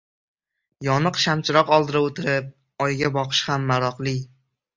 Yoniq shamchiroq oldida o‘tirib, oyga boqish ham maroqli.